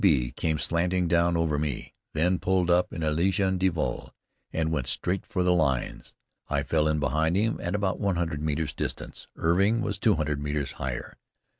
B. came slanting down over me, then pulled up in ligne de vol, and went straight for the lines. I fell in behind him at about one hundred metres distance. Irving was two hundred metres higher.